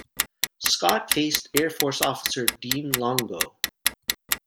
Scott faced Air Force officer Dean Longo.